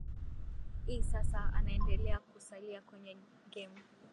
i sasa anaendelea kusalia kwenye game